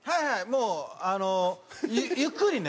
もうあのゆっくりね。